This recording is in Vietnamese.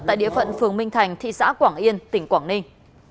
tại địa phận phường minh thành thị xã quảng yên tỉnh quảng ninh